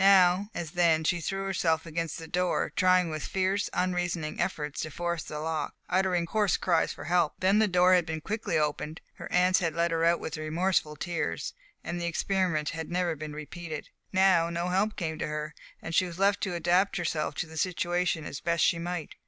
Now as then she threw herself against the door, trying with fierce, unreasoning efforts to force the lock, uttering hoarse cries for help. Then the door had been quickly opened, her aunts had let her out with remorseful tears, and the experiment had never been repeated. Now no help came to her, and she was left to adapt herself to the situation as best she might.